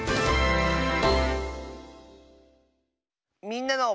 「みんなの」。